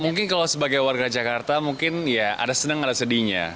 mungkin kalau sebagai warga jakarta mungkin ya ada senang ada sedihnya